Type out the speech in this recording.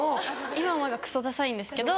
今思えばクソダサいんですけど。